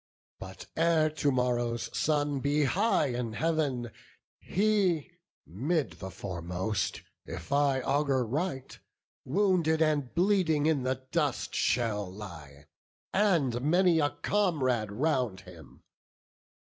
But ere to morrow's sun be high in Heav'n, He, 'mid the foremost, if I augur right, Wounded and bleeding in the dust shall lie, And many a comrade round him.